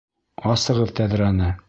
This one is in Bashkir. Асығыҙ тәҙрәне!